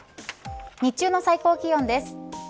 日中の最高気温です。